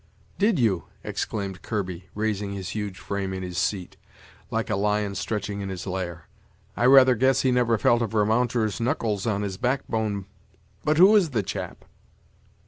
"Did you?" exclaimed Kirby, raising his huge frame in his seat, like a lion stretching in his lair; "I rather guess he never felt a Varmounter's knuckles on his backbone But who is the chap?"